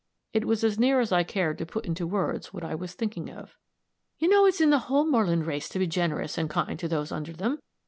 It was as near as I cared to put into words what I was thinking of. "You know it's in the whole Moreland race to be generous and kind to those under them.